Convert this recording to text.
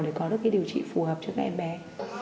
để có được cái điều trị phù hợp cho các em bé